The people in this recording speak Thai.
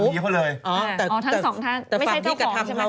ไม่ใช่เจ้าของใช่ไหม